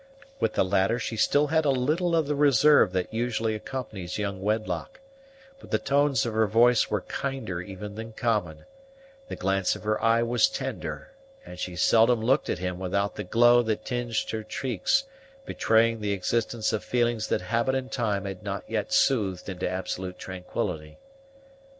With the latter she still had a little of the reserve that usually accompanies young wedlock; but the tones of her voice were kinder even than common; the glance of her eye was tender, and she seldom looked at him without the glow that tinged her cheeks betraying the existence of feelings that habit and time had not yet soothed into absolute tranquillity.